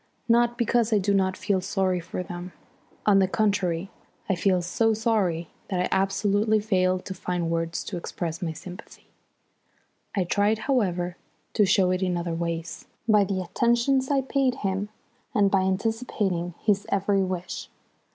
Not because I do not feel sorry for them; on the contrary, I feel so sorry that I absolutely fail to find words to express my sympathy. I tried, however, to show it in other ways, by the attentions I paid him and by anticipating his every wish.